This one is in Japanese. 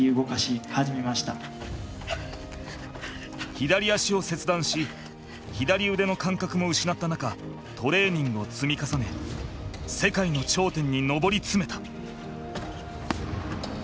左足を切断し左腕の感覚も失った中トレーニングを積み重ね世界の頂点に上り詰めた。